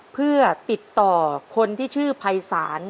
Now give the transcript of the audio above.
เพื่อติดต่อคนที่ชื่อภัยศาล